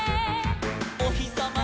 「おひさま